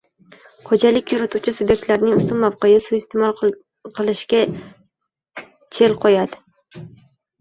xo‘jalik yurituvchi sub’ektlarning ustun mavqeni suiiste’mol qilishga chel qo'yadi